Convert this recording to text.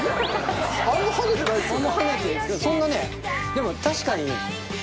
でも確かに。